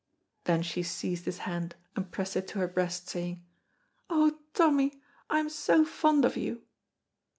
Then she seized his hand and pressed it to her breast, saying, "Oh, Tommy, I am so fond of you!"